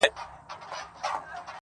دا ماته هینداره جوړومه نور ،